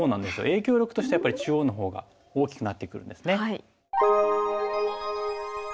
影響力としてはやっぱり中央の方が大きくなってくるんですね。